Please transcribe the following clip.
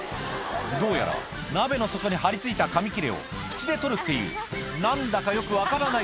どうやら鍋の底に張り付いた紙切れを口で取るっていう何だかよく分からない